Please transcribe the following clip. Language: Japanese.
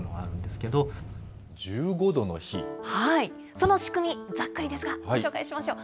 その仕組み、ざっくりですが紹介しましょう。